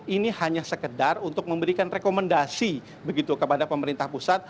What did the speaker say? ini hanya sekedar untuk memberikan rekomendasi begitu kepada pemerintah pusat